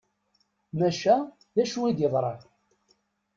Maca d acu i yeḍran?